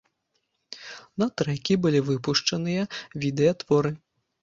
На трэкі былі выпушчаныя відэа-творы.